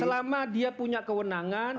karena dia punya kewenangan